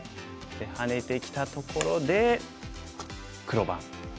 でハネてきたところで黒番。